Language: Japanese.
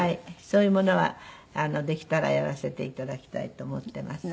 そういうものはできたらやらせて頂きたいと思っています。